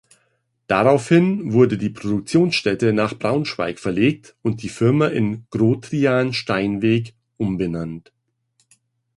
Daraufhin wurde die Produktionsstätte nach Braunschweig verlegt und die Firma in „Grotrian-Steinweg“ umbenannt.